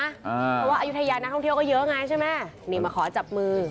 เพราะว่าอายุทยานักท่องเที่ยวก็เยอะไงใช่ไหมนี่มาขอจับมือ